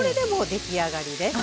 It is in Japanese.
出来上がりです。